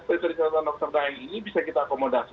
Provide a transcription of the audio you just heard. spesialisasi yang bisa kita akomodasi